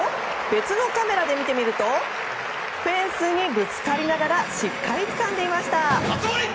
別のカメラで見てみるとフェンスにぶつかりながらしっかりつかんでいました。